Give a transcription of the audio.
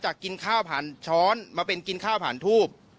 กินข้าวผ่านช้อนมาเป็นกินข้าวผ่านทูบ